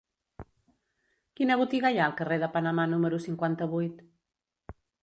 Quina botiga hi ha al carrer de Panamà número cinquanta-vuit?